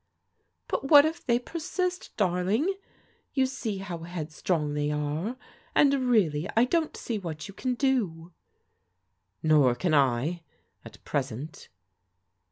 "But what if they persist, darlmg? You see how headstrong they are. And really I don't see what you can do." " Nor can I — ^at present."